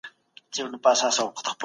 خپل کالي په المارۍ کي په ترتیب کېږدئ.